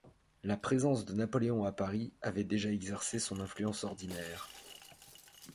La présence de Napoléon à Paris avait déjà exercé son influence ordinaire.